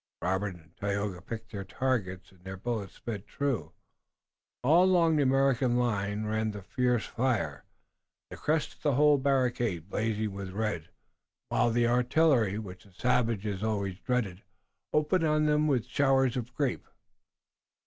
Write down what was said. Robert and Tayoga picked their targets, and their bullets sped true. All along the American line ran the fierce fire, the crest of the whole barricade blazing with red, while the artillery, which the savages always dreaded, opened on them with showers of grape.